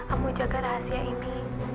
kamu jaga rahasia ini